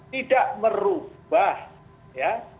tidak merubah ya